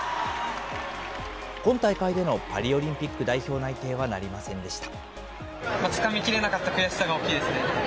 今大会でのパリオリンピック代表内定はなりませんでした。